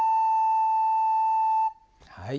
はい。